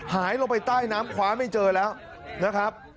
หายลงไปใต้น้ำคว้าไม่เจอแล้วนะครับ